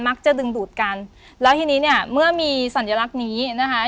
จะดึงดูดกันแล้วทีนี้เนี่ยเมื่อมีสัญลักษณ์นี้นะคะ